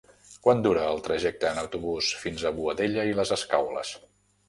Quant dura el trajecte en autobús fins a Boadella i les Escaules?